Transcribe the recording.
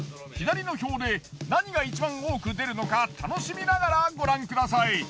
左の表で何が１番多く出るのか楽しみながらご覧ください。